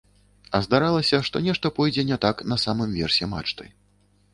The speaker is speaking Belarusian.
А здаралася, што нешта пойдзе не так на самым версе мачты.